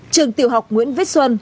trường tiểu học nguyễn phiết xuân